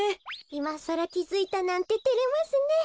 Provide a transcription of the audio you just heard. いまさらきづいたなんててれますね。